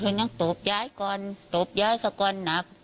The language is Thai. เพื่อนก็ตบย้ายก่อนตบย้ายสักก่อนหนัก